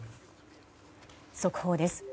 速報です。